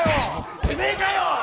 てめえかよ！